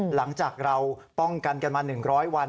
หลังจากเราป้องกันกันมา๑๐๐วัน